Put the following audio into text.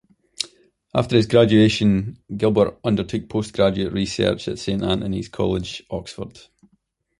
After his graduation, Gilbert undertook postgraduate research at Saint Antony's College, Oxford.